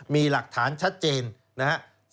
มีหลักฐานชัดเจนนะครับ